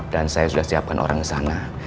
dan saya sudah siapkan orang di sana